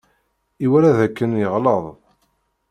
Iwala dakken yeɣleḍ.